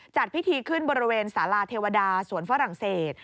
จัดพิธีขึ้นบริเวณสาราเทวดาสวนฝรั่งเศส